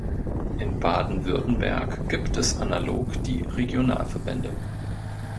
In Baden-Württemberg gibt es analog die Regionalverbände.